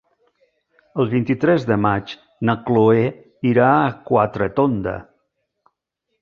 El vint-i-tres de maig na Cloè irà a Quatretonda.